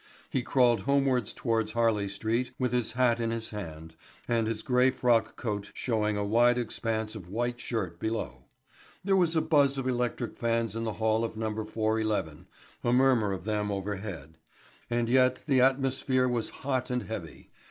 He crawled homewards towards Harley Street with his hat in his hand, and his grey frock coat showing a wide expanse of white shirt below. There was a buzz of electric fans in the hall of No. 411, a murmur of them overhead. And yet the atmosphere was hot and heavy.